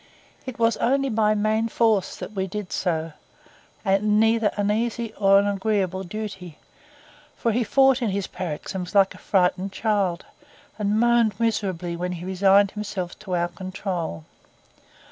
It was only by main force that we did so, and neither an easy nor an agreeable duty; for he fought in his paroxysms like a frightened child, and moaned miserably when he resigned himself to our control.